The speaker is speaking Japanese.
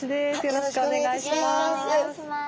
よろしくお願いします。